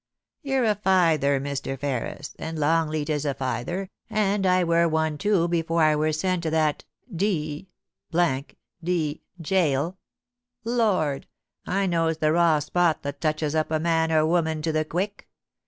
You're a feyther, Mr. Ferris, and Longleat is a feyther, and I wur one too afore I wur sent to that d d gaol. Lord ! I knows the raw spot that touches up man or woman to the quick.